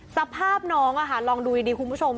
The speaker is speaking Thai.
สภาพน้องลองดูดีคุณผู้ชม